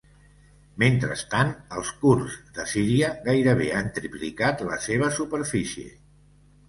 Mentrestant els kurds de Síria gairebé han triplicat la seva superfície.